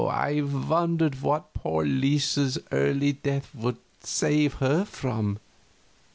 I wondered what poor little Lisa's early death would save her from.